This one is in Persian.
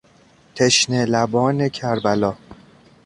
تشنه لبان کربلا